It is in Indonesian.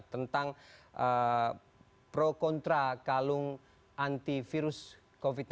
tentang pro kontra kalung antivirus covid sembilan belas